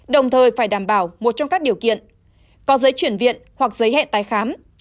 đồng thời phải đảm bảo một trong các điều kiện có giấy chuyển viện hoặc giấy hẹn tái khám